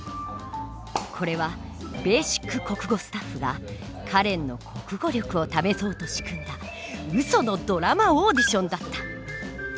これは「ベーシック国語」スタッフがカレンの国語力を試そうと仕組んだウソのドラマオーディションだった。